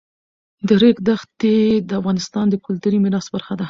د ریګ دښتې د افغانستان د کلتوري میراث برخه ده.